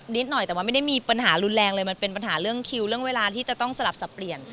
นิดหน่อยแต่ว่าไม่ได้มีปัญหารุนแรงเลยมันเป็นปัญหาเรื่องคิวเรื่องเวลาที่จะต้องสลับสับเปลี่ยน